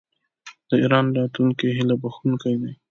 د ایران راتلونکی هیله بښونکی دی.